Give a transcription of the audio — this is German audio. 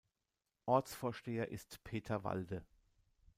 Ortsvorsteher ist Peter Walde.